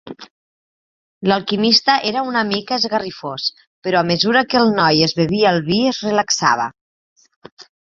L'alquimista era una mica esgarrifós, però a mesura que el noi es bevia el vi es relaxava.